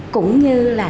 cũng như là